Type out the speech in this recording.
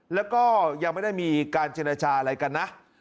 แล้วก็ยังไม่ได้มีการเจรจาอะไรกันนะ